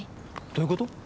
どういうこと？